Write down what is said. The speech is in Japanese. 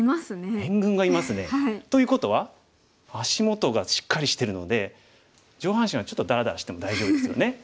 援軍がいますね。ということは足元がしっかりしてるので上半身はちょっとダラダラしても大丈夫ですよね。